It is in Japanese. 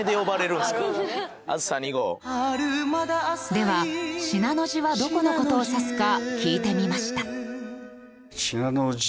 では信濃路はどこの事を指すか聞いてみました。